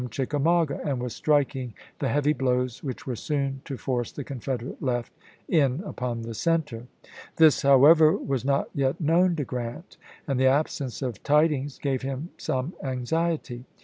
Chickamauga), and was striking the heavy blows which were soon to force the Confederate left in upon the center. This, however, was not yet known to Grant, and the absence of tidings gave him some anxiety.